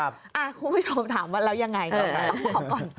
ผู้พิพากษาถามว่าแล้วยังไงต้องบอกก่อน